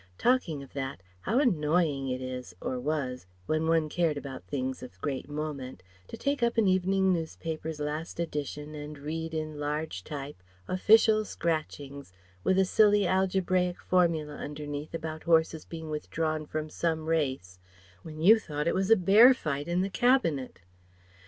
[Talking of that, how annoying it is or was when one cared about things of great moment, to take up an evening newspaper's last edition and read in large type "Official Scratchings," with a silly algebraic formula underneath about horses being withdrawn from some race, when you thought it was a bear fight in the Cabinet.